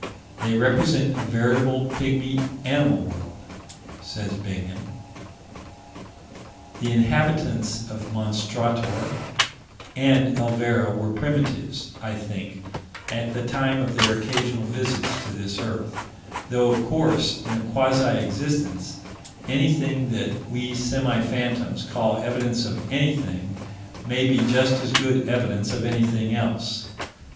"They represent a veritable pygmy animal world," says Bingham. The inhabitants of Monstrator and Elvera were primitives, I think, at the time of their occasional visits to this earth though, of course, in a quasi existence, anything that we semi phantoms call evidence of anything may be just as good evidence of anything else.